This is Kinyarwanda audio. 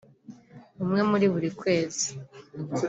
umwe muri buri kwezi